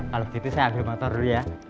kalau begitu saya ambil motor dulu ya